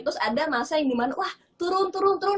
terus ada masa yang dimana wah turun